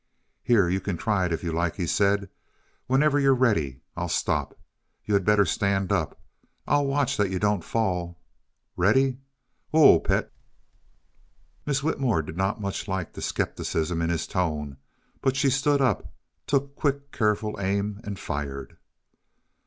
"Here, you can try, if you like," he said. "Whenever you're ready I'll stop. You had better stand up I'll watch that you don't fall. Ready? Whoa, Pet!" Miss Whitmore did not much like the skepticism in his tone, but she stood up, took quick, careful aim and fired.